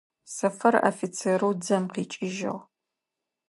Сэфэр офицерэу дзэм къикӏыжъыгъ.